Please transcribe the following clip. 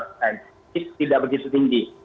itu tidak begitu tinggi